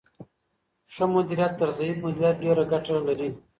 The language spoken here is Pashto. ښه مدیریت تر ضعیف مدیریت ډیره ګټه لري.